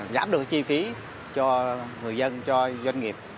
giảm được chi phí cho người dân cho doanh nghiệp